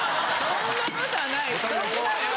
そんな事はない。